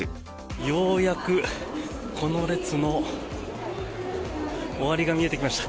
ようやくこの列の終わりが見えてきました。